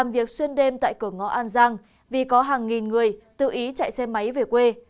việc xuyên đêm tại cửa ngõ an giang vì có hàng nghìn người tự ý chạy xe máy về quê